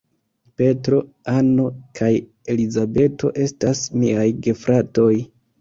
Petro, Anno kaj Elizabeto estas miaj gefratoj.